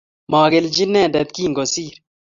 Magelji inendet kingosiir